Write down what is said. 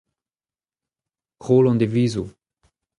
roll an divizoù.